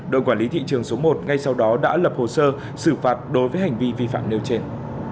đội quản lý thị trường số một ngay sau đó đã lập hồ sơ xử phạt đối với hành vi vi phạm nêu trên